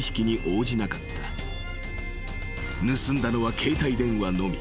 ［盗んだのは携帯電話のみ］